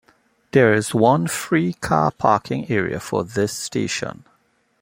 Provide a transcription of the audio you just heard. There is one free car parking area for this station.